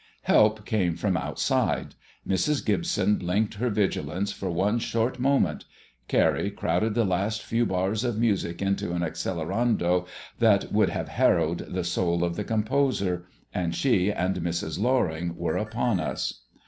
Help came from outside. Mrs. Gibson blinked her vigilance for one short moment. Carrie crowded the last few bars of music into an accelerando that would have harrowed the soul of the composer, and she and Mrs. Loring were upon us.